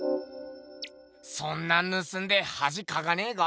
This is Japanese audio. そんなんぬすんではじかかねぇか？